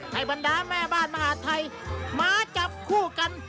บรรดาแม่บ้านมหาดไทยมาจับคู่กัน